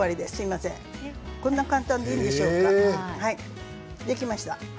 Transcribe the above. こんな簡単でいいんでしょうかもうできました。